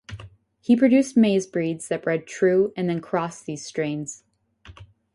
He produced maize breeds that bred true and then crossed these strains.